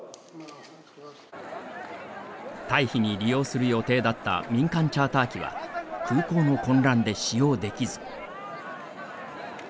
退避に利用する予定だった民間チャーター機は空港の混乱で使用できず。